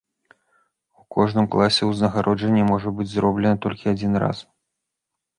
У кожным класе ўзнагароджанне можа быць зроблена толькі адзін раз.